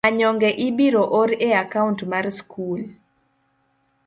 Manyonge ibiro or e akaunt mar skul.